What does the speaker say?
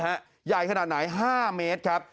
ใหญ่ขนาดไหน๕เมตรครับ